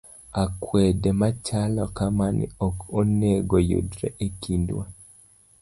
Akwede machalo kamani ok onego yudre e kindwa